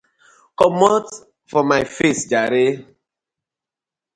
Komot for mi face jare.